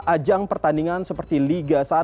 ajang pertandingan seperti liga satu